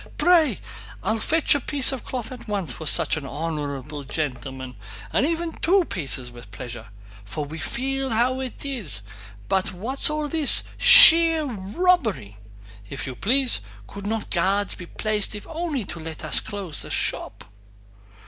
Pray!... I'll fetch a piece of cloth at once for such an honorable gentleman, or even two pieces with pleasure. For we feel how it is; but what's all this—sheer robbery! If you please, could not guards be placed if only to let us close the shop...."